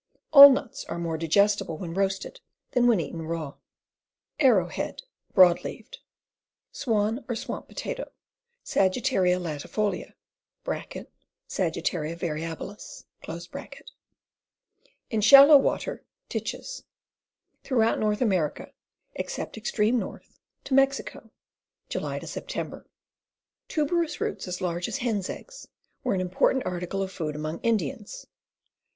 All nuts are more digestible when roasted than when eaten raw. Abrowhead, Broad leaved. Swan or Swamp Potato. Sagittaria latifolia (S. variabilis). In shallow water; ditches. Throughout North America, except extreme north, to Mexico. July Sep. Tuberous roots as large as hens' eggs, were an important article of food among Indians.